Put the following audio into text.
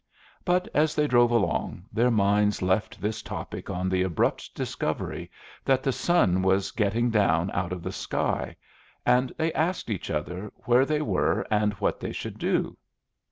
But as they drove along, their minds left this topic on the abrupt discovery that the sun was getting down out of the sky, and they asked each other where they were and what they should do.